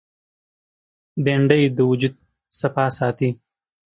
بېنډۍ د وجود صفا ساتي